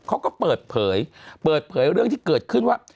เขาก็เปิดเผยเปิดเผยเรื่องที่เกิดขึ้นว่า